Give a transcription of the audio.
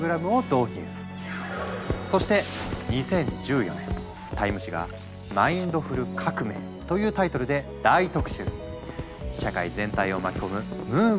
そして２０１４年「ＴＩＭＥ」誌が「マインドフル革命」というタイトルで大特集！